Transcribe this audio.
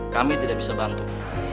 kami tidak bisa bantu